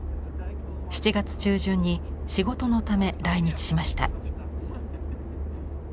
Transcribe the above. ７月中旬に仕事のため来日しました。